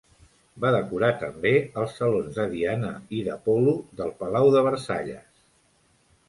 Va decorar també els Salons de Diana i d'Apol·lo del Palau de Versalles.